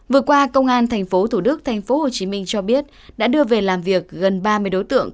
vừa qua công an thành phố thủ đức thành phố hồ chí minh cho biết đã đưa về làm việc gần ba mươi đối tượng